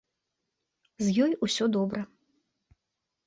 З ёй усё добра.